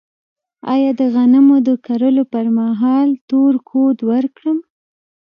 آیا د غنمو د کرلو پر مهال تور کود ورکړم؟